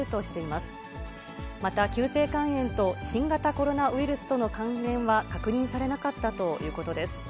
また、急性肝炎と新型コロナウイルスとの関連は確認されなかったということです。